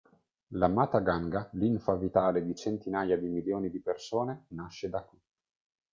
La Mata Ganga, linfa vitale di centinaia di milioni di persone, nasce da qui!